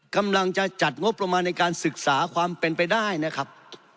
กำลังจะจัดงบประมาณในการศึกษาความเป็นไปได้นะครับ